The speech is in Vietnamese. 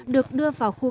được đưa vào khu vực